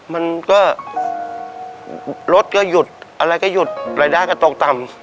มันก็รถก็หยุดอะไรก็หยุดรายได้ก็ตกต่ำ